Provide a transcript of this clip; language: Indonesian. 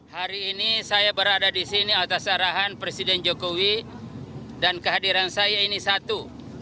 hari ini saya berada di sini atas arahan presiden jokowi dan kehadiran saya ini satu